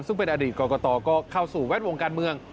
ซึ่งเป็นอดีตกรกตก็เข้าสู่แวดวงการเมือง